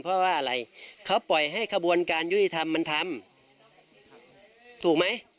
เพราะว่าอะไรเขาปล่อยให้กระบวนการยุทิธรรมมันทำ